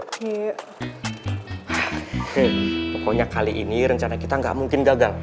oke pokoknya kali ini rencana kita nggak mungkin gagal